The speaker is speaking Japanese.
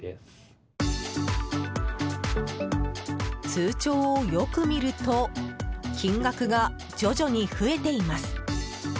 通帳をよく見ると金額が徐々に増えています。